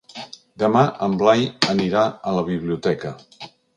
Demà en Blai anirà a la biblioteca.